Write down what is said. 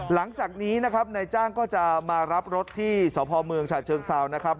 หลังจากนี้นะครับนายจ้างก็จะมารับรถที่สพเมืองฉะเชิงเซานะครับ